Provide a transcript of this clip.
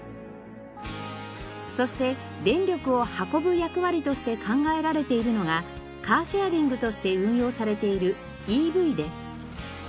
そして電力を運ぶ役割として考えられているのがカーシェアリングとして運用されているＥＶです。